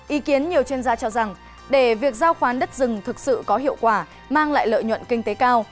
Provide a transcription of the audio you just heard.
ý kiến nhiều chuyên gia cho rằng để việc giao khoán đất rừng thực sự có hiệu quả mang lại lợi nhuận kinh tế cao